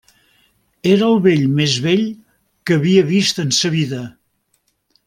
Era el vell més vell que havia vist en sa vida.